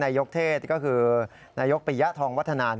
นายกเทศก็คือนายกปิยะทองวัฒนา